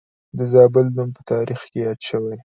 د زابل نوم په تاریخ کې یاد شوی